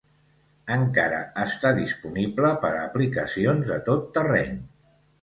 Encara està disponible per a aplicacions de tot terreny.